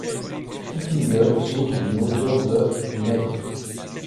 Kittinger saute d'une hauteur de mètres.